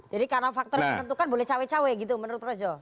jadi karena faktor yang menentukan boleh cawe cawe gitu menurut projo